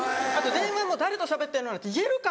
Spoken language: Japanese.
電話も誰としゃべってんの？なんて言えるか！